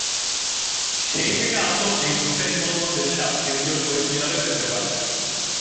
সেই থেকে আজ অবধি হুসেইন মুহম্মদ এরশাদ কেন্দ্রীয় শহীদ মিনারে যেতে পারেননি।